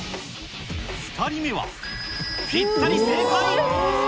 ２人目は、ぴったり正解。